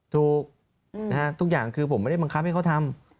ถูกทุกอย่างคือผมไม่ได้บังคับให้เขาทำ